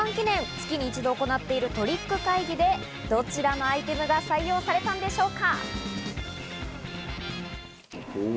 月に一度行っているトリック会議でどちらのアイテムが採用されたんでしょうか。